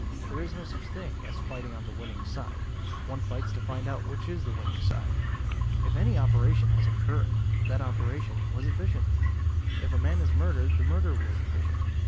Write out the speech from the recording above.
There is no such thing as fighting on the winning side; one fights to find out which is the winning side. If any operation has occurred, that operation was efficient. If a man is murdered, the murder was efficient.